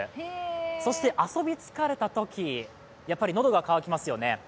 そして、遊び疲れたとき、やっぱり喉が渇きますよね。